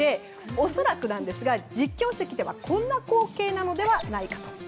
恐らくですが実況席ではこんな光景なのではと。